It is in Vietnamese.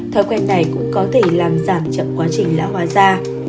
thói quen này cũng có thể làm giảm chậm quá trình lão hòa da